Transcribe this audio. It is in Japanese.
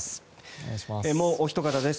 もうおひと方です。